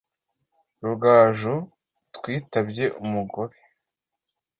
Rugaju twitabye umugobe ;